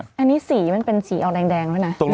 อันนี้สีมันเป็นสีออกแดงด้วยนะ